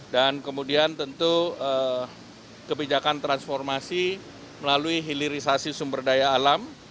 dan kemudian tentu kebijakan transformasi melalui hilirisasi sumber daya alam